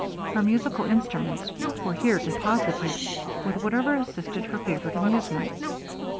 Her musical instruments were here deposited, with whatever assisted her favorite amusements.